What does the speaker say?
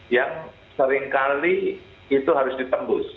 yang seringkali itu harus ditembus